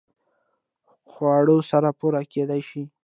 خوړو سره پوره کېدای شي